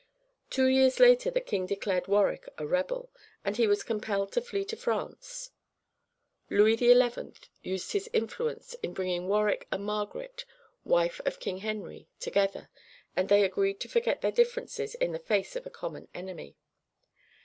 Two years later the king declared Warwick a rebel; and he was compelled to flee to France. Louis XI. used his influence in bringing Warwick and Margaret, wife of King Henry, together, and they agreed to forget their differences in the face of a common enemy.